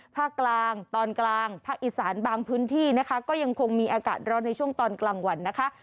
ภาคกลางตอนกลางภาคอีสานบางพื้นที่นะคะก็ยังคงมีอากาศร้อนในช่วงตอนกลางวันนะคะ